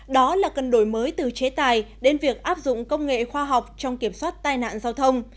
đó là cần đổi mới từ chế tài đến việc áp dụng công nghệ khoa học trong kiểm soát tai nạn giao thông